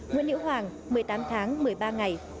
nguyễn hữu hoàng một mươi tám tháng một mươi ba ngày